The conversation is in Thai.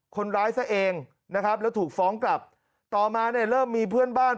คนร้ายซะเองนะครับแล้วถูกฟ้องกลับต่อมาเนี่ยเริ่มมีเพื่อนบ้าน